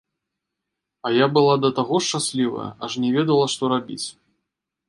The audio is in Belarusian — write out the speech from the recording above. А я была да таго шчаслівая, аж не ведала, што рабіць.